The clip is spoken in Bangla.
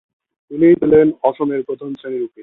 তিনিই ছিলেন অসমের প্রথম শ্রেনীর উকিল।